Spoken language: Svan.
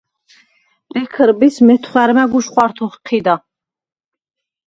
ბექჷრბის მეთხვა̈რ მა̈გ უშხვა̈რთ’ოხჴიდა.